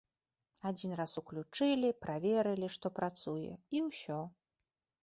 Адзін раз уключылі, праверылі, што працуе, і ўсё.